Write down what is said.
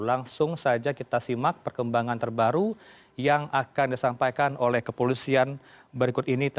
langsung saja kita simak perkembangan terbaru yang akan disampaikan oleh kepolisian berikut ini